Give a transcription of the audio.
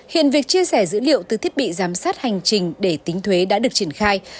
hiện việc chia sẻ dữ liệu từ thiết bị giám sát hành trình để tính thuế đã được triển khai